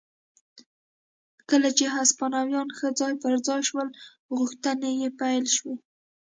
کله چې هسپانویان ښه ځای پر ځای شول غوښتنې یې پیل شوې.